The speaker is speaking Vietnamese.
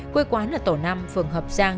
quê quán là tổ năm phường hợp giang